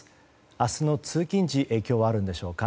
明日の通勤時影響はあるんでしょうか。